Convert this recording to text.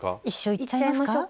いっちゃいましょうか。